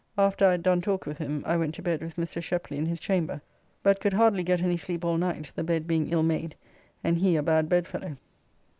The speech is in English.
After I had done talk with him, I went to bed with Mr. Sheply in his chamber, but could hardly get any sleep all night, the bed being ill made and he a bad bedfellow.